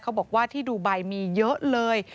เขาบอกว่าที่ดูไบมีเยอะเลย